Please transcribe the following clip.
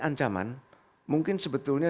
ancaman mungkin sebetulnya